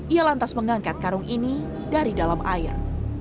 ia lantas mengangkat karung ini dari dalam air